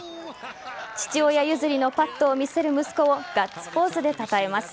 父親譲りのパットを見せる息子をガッツポーズでたたえます。